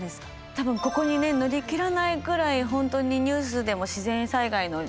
多分ここにね乗り切らないぐらい本当にニュースでも自然災害のニュースをね